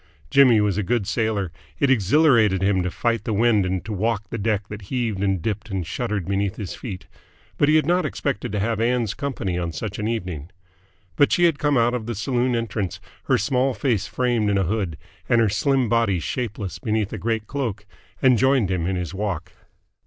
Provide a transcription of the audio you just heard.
Jimmy was a good sailor: it exhilarated him to fight the wind and to walk a deck that heaved and dipped and shuddered beneath his feet; but he had not expected to have Ann's company on such an evening. But she had come out of the saloon entrance, her small face framed in a hood and her slim body shapeless beneath a great cloak, and joined him in his walk.